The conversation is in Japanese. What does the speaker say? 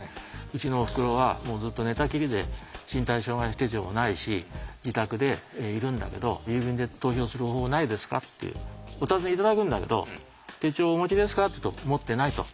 「うちのおふくろはずっと寝たきりで身体障害者手帳もないし自宅でいるんだけど郵便で投票する方法ないですか？」っていうお尋ね頂くんだけど「手帳お持ちですか」って言うと「持ってない」と。